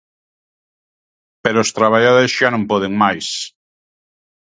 Pero os traballadores xa non poden máis.